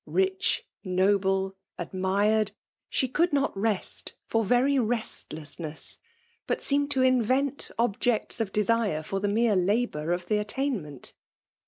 Rich, noble, admired, she could not rest, for very restlessness; but seemed to in vent objects of desire for the mere labour of the attainment.